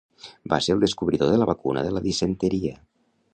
Va ser el descobridor de la vacuna de la disenteria.